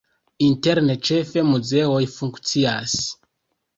Interne ĉefe muzeoj funkcias.